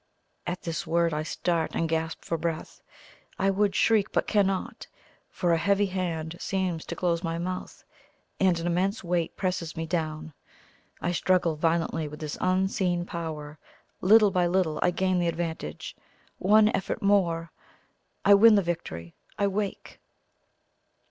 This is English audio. At this word I start and gasp for breath; I would shriek, but cannot, for a heavy hand seems to close my mouth, and an immense weight presses me down. I struggle violently with this unseen Power little by little I gain the advantage. One effort more! I win the victory I wake!